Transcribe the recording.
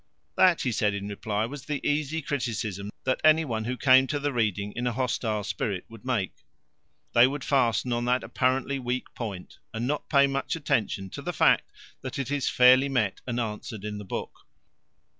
That, he said in reply, was the easy criticism that any one who came to the reading in a hostile spirit would make. They would fasten on that apparently weak point and not pay much attention to the fact that it is fairly met and answered in the book.